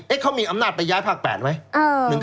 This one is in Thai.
เขามีอำนาจไปย้ายภาค๘ไหม